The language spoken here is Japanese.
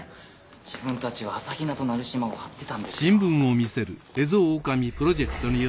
自分たちは朝比奈と成島を張ってたんですよ。